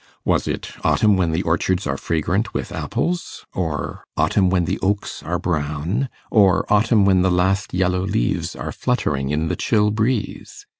Was it autumn when the orchards are fragrant with apples, or autumn when the oaks are brown, or autumn when the last yellow leaves are fluttering in the chill breeze?